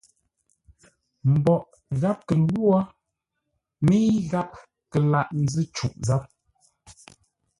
Mboʼ gháp kə lwô, mə́i gháp kə laghʼ ńzʉ́ cûʼ záp.